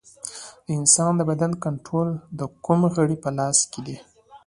د انسان د بدن کنټرول د کوم غړي په لاس کې دی